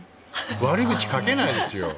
悪口、書けないですよ。